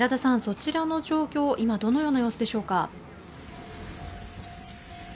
そちらの状況、今、どのような様子でしょうか？